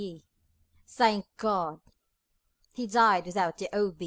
E. Thank God! He died without the O.